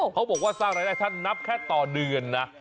เขาบอกว่าสร้างรายได้ถ้านับแค่ต่อเดือนนะ